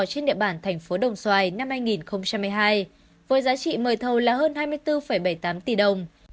trên địa bản tp đồng xoài năm hai nghìn một mươi hai với giá trị mời thầu là hơn hai mươi bốn bảy mươi tám tỷ đồng